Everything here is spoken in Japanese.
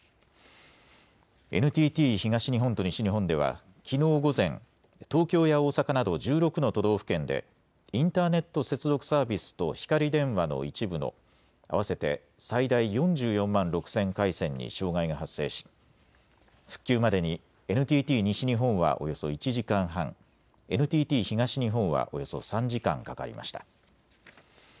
ＮＴＴ東日本と西日本ではきのう午前、東京や大阪など１６の都道府県でインターネット接続サービスとひかり電話の一部の合わせて最大４４万６０００回線に障害が発生し、復旧までにＮＴＴ西日本はおよそ１時間半、ＮＴＴ東日本はおよそ３時間かかりました。